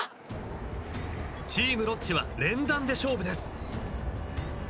チームロッチは連弾で勝負です。